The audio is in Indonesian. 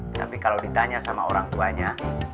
tetapi kalau ditanya sama orang tuanya